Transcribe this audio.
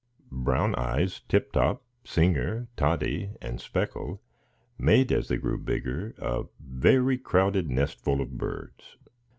Brown Eyes, Tip Top, Singer, Toddy, and Speckle made, as they grew bigger, a very crowded nestful of birds.